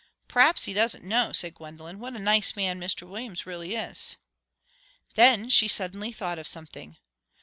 "P'raps he doesn't know," said Gwendolen, "what a nice man Mr Williams really is." Then she suddenly thought of something.